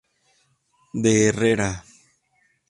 De Herrera.